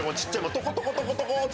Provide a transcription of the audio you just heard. トコトコトコトコって。